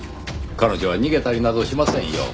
彼女は逃げたりなどしませんよ。